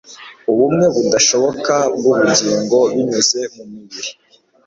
Ubumwe budashoboka bwubugingo binyuze mumibiri